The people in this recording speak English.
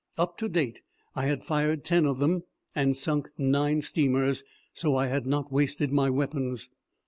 Up to date I had fired ten of them and sunk nine steamers, so I had not wasted my weapons.